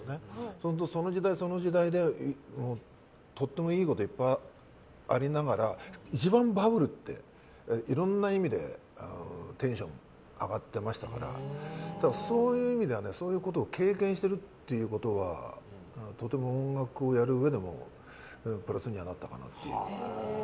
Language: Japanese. そうすると、その時代その時代でとてもいいことがいっぱいありながら一番バブルっていろんな意味でテンションが上がっていましたからそういう意味ではそういうことを経験してるということはとても音楽をやるうえでもプラスにはなったかなという。